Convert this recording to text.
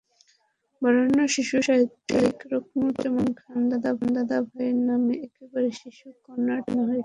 বরেণ্য শিশুসাহিত্যিক রোকনুজ্জামান খান দাদাভাইয়ের নামে এবারের শিশু কর্নারটি সাজানো হয়েছে।